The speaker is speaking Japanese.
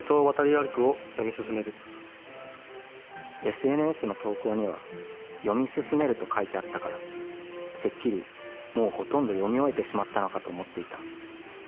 「ＳＮＳの投稿には『読み進める』と書いてあったから、てっきり、もうほとんど読み終えてしまったのかと思っていた」。